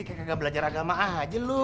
kayak gak belajar agama aja lo